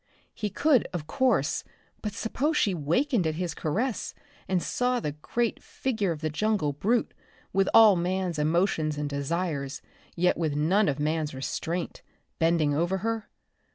He could, of course, but suppose she wakened at his caress and saw the great figure of the jungle brute, with all man's emotions and desires, yet with none of man's restraint bending over her?